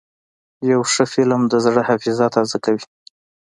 یو ښه فلم د زړه حافظه تازه کوي.